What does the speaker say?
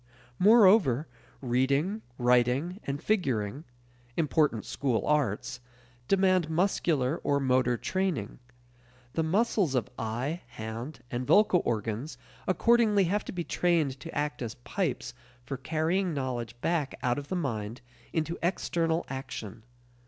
Moreover, reading, writing, and figuring important school arts demand muscular or motor training. The muscles of eye, hand, and vocal organs accordingly have to be trained to act as pipes for carrying knowledge back out of the mind into external action.